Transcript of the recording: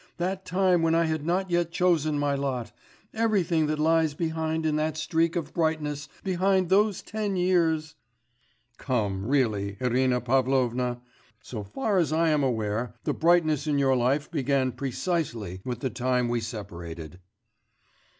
that time when I had not yet chosen my lot, everything that lies behind in that streak of brightness behind those ten years....' 'Come, really, Irina Pavlovna! So far as I am aware, the brightness in your life began precisely with the time we separated....